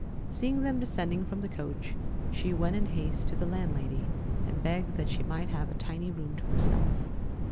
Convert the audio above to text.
Seeing them descending from the coach, she went in haste to the landlady and begged that she might have a tiny room to herself.